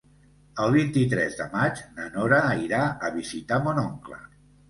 El vint-i-tres de maig na Nora irà a visitar mon oncle.